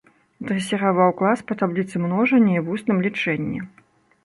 Дрэсіраваў клас па табліцы множання і вусным лічэнні.